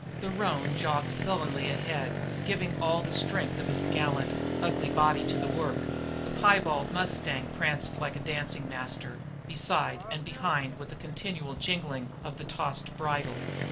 The roan jogged sullenly ahead, giving all the strength of his gallant, ugly body to the work; the piebald mustang pranced like a dancing master beside and behind with a continual jingling of the tossed bridle.